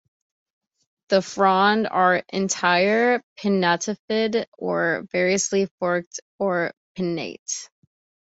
The fronds are entire, pinnatifid, or variously forked or pinnate.